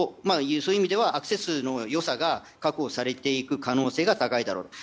そういう意味ではアクセスの良さが確保されていく可能性が高いだろうと。